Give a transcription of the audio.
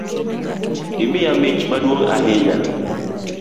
Imiya mich maduong’ ahinya